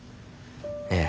ええ。